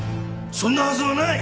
そんなはずはない！